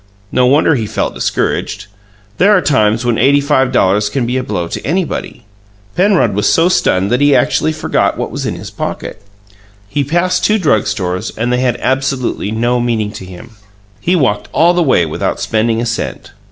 No wonder he felt discouraged: there are times when eighty five dollars can be a blow to anybody! Penrod was so stunned that he actually forgot what was in his pocket. He passed two drug stores, and they had absolutely no meaning to him. He walked all the way without spending a cent.